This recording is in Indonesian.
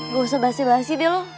gak usah basi basi dia lo